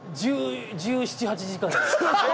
１７１８時間。